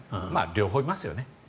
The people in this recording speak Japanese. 両方いますよね。